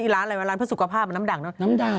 ร้านอะไรวะร้านเพื่อสุขภาพมันน้ำด่าง